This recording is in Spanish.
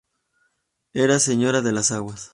Era "Señor de las aguas".